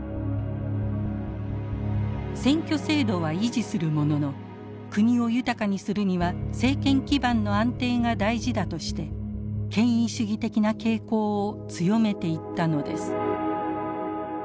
選挙制度は維持するものの国を豊かにするには政権基盤の安定が大事だとして権威主義的な傾向を強めていったのです。